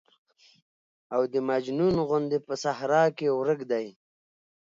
او د مجنون غوندې په صحرا کې ورک دى.